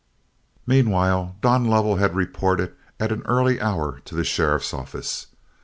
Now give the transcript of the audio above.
Meanwhile Don Lovell had reported at an early hour to the sheriff's office.